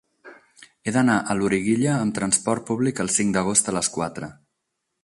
He d'anar a Loriguilla amb transport públic el cinc d'agost a les quatre.